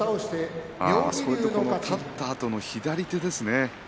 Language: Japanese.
立ったあとの左手ですね。